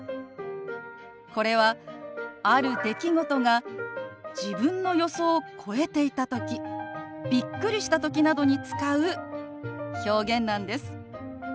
これはある出来事が自分の予想を超えていたときびっくりしたときなどに使う表現なんです。